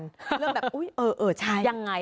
เรื่องแบบอุ๊ยเออใช่ยังไง